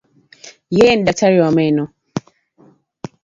Yeye ni daktari wa meno.